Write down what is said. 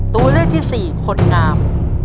ตัวเลือกที่๔คนงาม